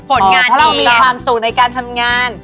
ผลงานของเรามีความสุขในการทำงาน